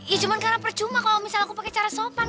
ya cuma karena percuma kalau misalnya aku pakai cara sopan